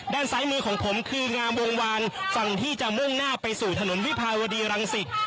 ด้านซ้ายมือของผมคืองามวงวานฝั่งที่จะมุ่งหน้าไปสู่ถนนวิภาวดีรังสิต